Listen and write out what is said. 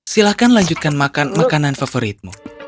silahkan lanjutkan makan makanan favoritmu